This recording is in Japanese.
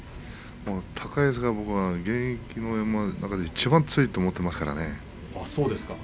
高安が現役の中でいちばん強いと思ってますからね。